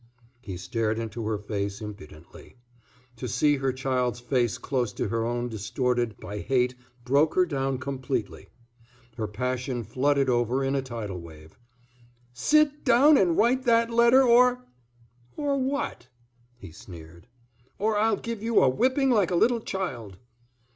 He stared into her face impudently. To see her child's face close to her own distorted by hate broke her down completely. Her passion flooded over in a tidal wave. "Sit down and write that letter, or " "Or what?" he sneered. "Or I'll give you a whipping like a little child."